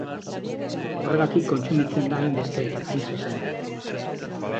Horregatik kontsumitzen da hainbeste, hain zuzen.